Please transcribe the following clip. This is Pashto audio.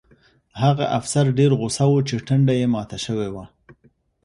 هغه افسر ډېر غوسه و چې ټنډه یې ماته شوې وه